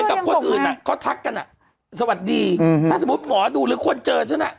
กับคนอื่นอ่ะเขาทักกันอ่ะสวัสดีถ้าสมมุติหมอดูหรือคนเจอฉันอ่ะ